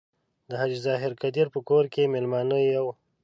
د حاجي ظاهر قدیر په کور کې میلمانه یو.